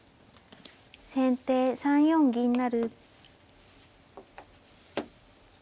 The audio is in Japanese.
先手３四銀成。